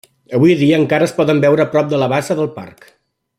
Avui dia, encara es poden veure prop de la bassa del parc.